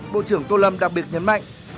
bộ trưởng tô lâm đặc biệt nhấn mạnh